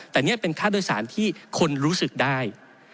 แต่นี่เป็นค่าโดยสารที่คนรู้สึกได้